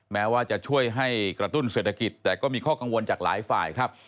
แม้ว่าจะช่วยให้กระตุ้นเศรษฐกิจแต่ก็มีข้อกังวลจากหลายฝ่ายครับ